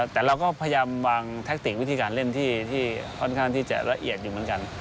แต่เราก็พยายามวางแทคติกวิธีการเล่นที่ค่อนข้างที่จะละเอียดอยู่เหมือนกัน